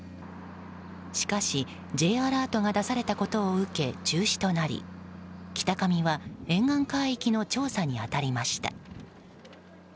しかし、Ｊアラートが出されたことを受け、中止となり「きたかみ」は沿岸海域の調査に当たりました。